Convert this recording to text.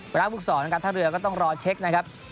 เวลาปรุกศรการท่าเรือก็ต้องรอเช็คนะครับ